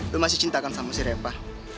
lo masih cintakan sama si repa